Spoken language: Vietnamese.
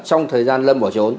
trong thời gian lâm bỏ trốn